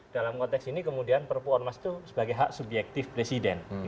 dalam konteks ini kemudian perpu ormas itu sebagai hak subjektif presiden